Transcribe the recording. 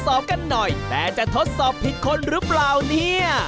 กันหน่อยแต่จะทดสอบผิดคนหรือเปล่าเนี่ย